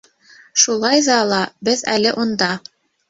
Шулай ҙа ла беҙ әле унда...